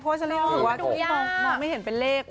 พี่มานมนี่เห็นเป็นเลข